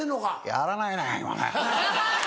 やらないね今ね。